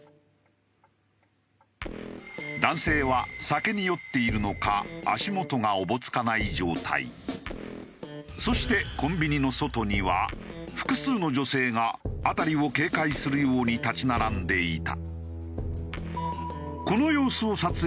男性は酒に酔っているのかそしてコンビニの外には複数の女性が辺りを警戒するように立ち並んでいた。